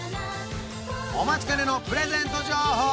お待ちかねのプレゼント情報